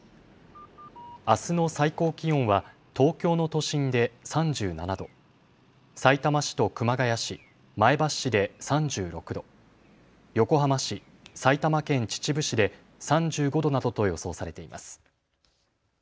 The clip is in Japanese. あすの最高気温は東京の都心で３７度、さいたま市と熊谷市、前橋市で３６度、横浜市、埼玉県秩父市で３５度などと予想されています。